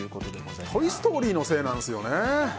「トイ・ストーリー」のせいなんですよね。